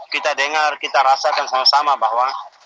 kita dengar kita rasakan sama sama bahwa